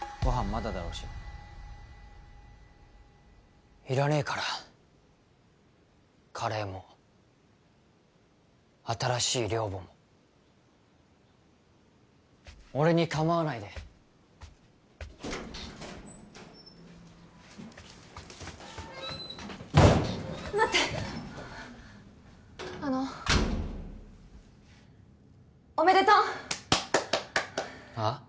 まだだろうしいらねえからカレーも新しい寮母も俺にかまわないで待ってあのおめでとうはっ？